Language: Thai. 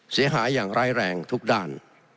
เสียหายอย่างร้ายแรงทุกด้าน